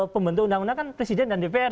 pembentuk undang undang kan presiden dan dpr